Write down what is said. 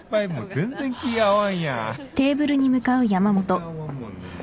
全然合わんもんね。